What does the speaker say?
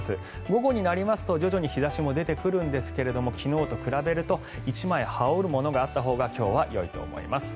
午後になりますと徐々に日差しも出てくるんですが昨日と比べると１枚羽織るものがあったほうが今日はいいと思います。